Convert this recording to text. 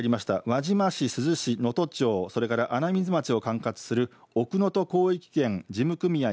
輪島市、珠洲市、能登町、それから穴水町を管轄する奥能登広域圏事務組合